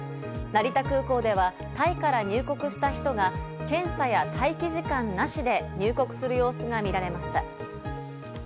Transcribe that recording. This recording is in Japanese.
成田空港ではタイから入国した人が検査や待機時間なしで入国する様子が見られました。